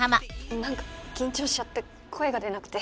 何か緊張しちゃって声が出なくて。